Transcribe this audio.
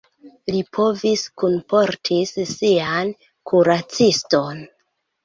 Li povis kunportis sian kuraciston.